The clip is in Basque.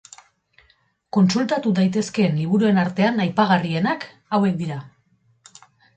Kontsultatu daitezkeen liburuen artean aipagarrienak hauek dira.